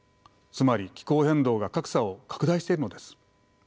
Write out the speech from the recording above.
つまり気候変動が格差を拡大しているのです。